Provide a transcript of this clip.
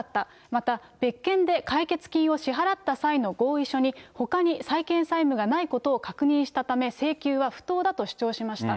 また、別件で解決金を支払った際の合意書に、ほかに債権債務がないことを確認したため、請求は不当だと主張しました。